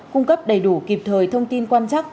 cung cấp đầy đủ kịp thời thông tin quan chắc